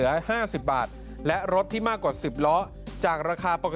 โทษภาพชาวนี้ก็จะได้ราคาใหม่